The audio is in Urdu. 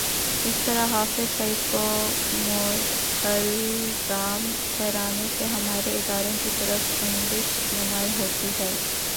اس طرح حافظ سعید کو مورد الزام ٹھہرانے سے ہمارے اداروں کی طرف انگشت نمائی ہوتی ہے۔